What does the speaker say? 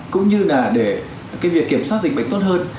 cũng như là để cái việc kiểm soát dịch bệnh tốt hơn